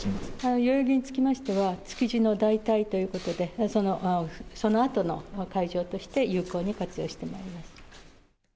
代々木につきましては、築地の代替ということで、そのあとの会場として有効に活用してまいります。